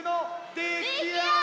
できあがり！